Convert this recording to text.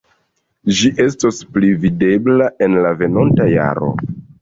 Ĝi estos pli videbla en la venonta jaro.